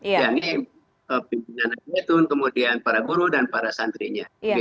yang pimpinan al zaitun kemudian para guru dan para santrinya